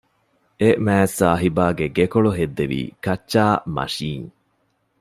އެމާތްސާހިބާގެ ގެކޮޅު ހެއްދެވީ ކައްޗާ މަށީން